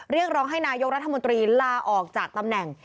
เรียกร้องให้นายกรัฐมนตรีลาออกจากตำแหน่ง